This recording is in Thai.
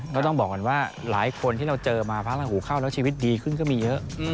ต้องบอกก่อนว่าหลายคนที่เราเจอมาพระราหูเข้าแล้วชีวิตดีขึ้นก็มีเยอะ